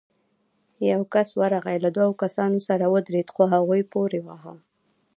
يو کس ورغی، له دوو کسانو سره ودرېد، خو هغوی پورې واهه.